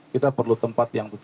kita perlu tempat yang